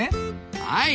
はい！